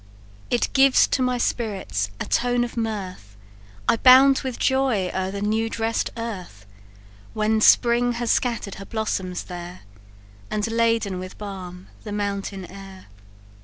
"It gives to my spirits a tone of mirth I bound with joy o'er the new dress'd earth, When spring has scatter'd her blossoms there, And laden with balm the mountain air.